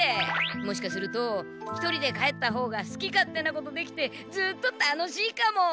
もしかすると一人で帰ったほうがすき勝手なことできてずっと楽しいかも！